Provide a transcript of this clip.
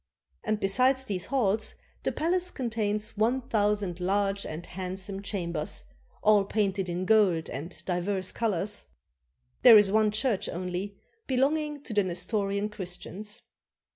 And besides these halls the palace contains one thousand large and handsome chambers, all painted in gold and divers colors. ... There is one church only, belonging to the Nestorian Christians.